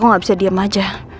kok gak bisa diem aja